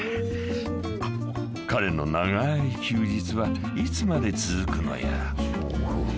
［彼の長い休日はいつまで続くのやら］